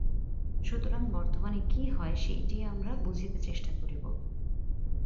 সুতরাং বর্তমানে কি হয়, সেইটিই আমরা বুঝিতে চেষ্টা করিব।